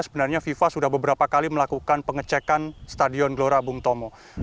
sebenarnya fifa sudah beberapa kali melakukan pengecekan stadion gelora bung tomo